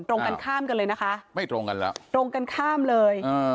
ตรงกันข้ามกันเลยนะคะไม่ตรงกันแล้วตรงกันข้ามเลยอ่า